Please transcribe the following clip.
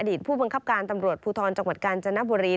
ผู้บังคับการตำรวจภูทรจังหวัดกาญจนบุรี